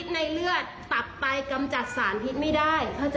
คุณผู้ชมค่ะแล้วเดี๋ยวมาเล่ารายละเอียดเพิ่มให้ฟังค่ะ